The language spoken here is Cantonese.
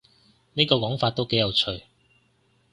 呢個講法都幾有趣